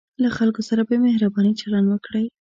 له خلکو سره په مهربانۍ چلند وکړئ.